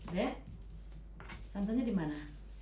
dek santannya di mana